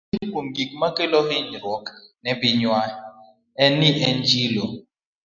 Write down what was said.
Achiel kuom gik makelo hinyruok ne pinywa ni en chilo.